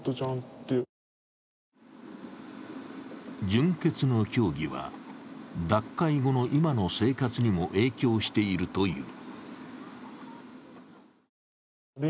純潔の教義は脱会後の今の生活にも影響しているという。